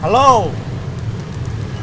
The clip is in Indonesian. bacalah angin gua dia